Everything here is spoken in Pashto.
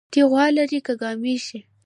تى غوا لرى كه ګامېښې؟